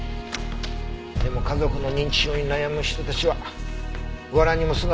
でも家族の認知症に悩む人たちは藁にもすがる思いで信じた。